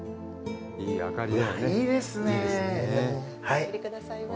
お入りくださいませ。